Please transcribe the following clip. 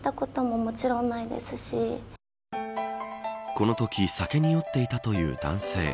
このとき酒に酔っていたという男性。